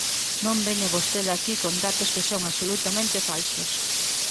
Non veña vostede aquí con datos que son absolutamente falsos.